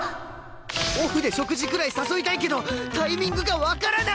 オフで食事くらい誘いたいけどタイミングがわからない！